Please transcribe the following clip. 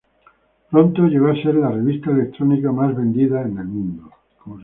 Pronto llegó a ser la revista electrónica más vendida en el mundo.